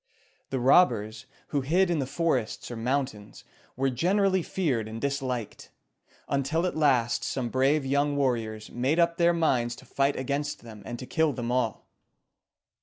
The robbers, who hid in the forests or mountains, were generally feared and disliked, until at last some brave young warriors made up their minds to fight against them and to kill them all.